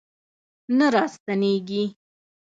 نه راستنیږي